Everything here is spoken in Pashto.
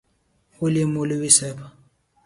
وله يي مولوي صيب